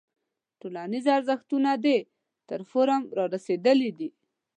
ټولنیز ارزښتونه دې تر فورم رارسېدلی وي.